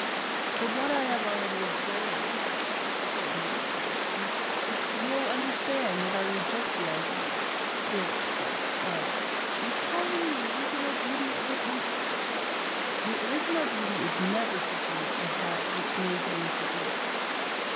"From what I have already observed," said Mr. Ellison, "you will understand that I reject the idea, here expressed, of 'recalling the original beauty of the country.' The original beauty is never so great as that which may be introduced.